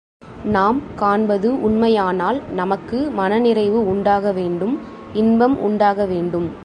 நாம் காண்பது உண்மையானால் நமக்கு மனநிறைவு உண்டாக வேண்டும் இன்பம் உண்டாக வேண்டும்.